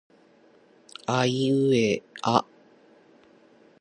あいうえあ